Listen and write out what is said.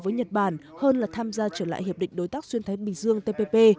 với nhật bản hơn là tham gia trở lại hiệp định đối tác xuyên thái bình dương tpp